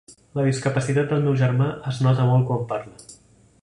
La discapacitat del meu germà es nota molt quan parla.